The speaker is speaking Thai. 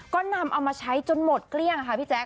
ก็นำเอามาใช้จนหมดเกลี้ยงค่ะพี่แจ๊